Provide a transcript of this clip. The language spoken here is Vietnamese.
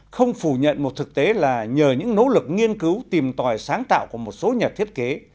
không phủ nhận một thực tế là nhờ những nỗ lực nghiên cứu tìm tòi sáng tạo của một số nhà thiết kế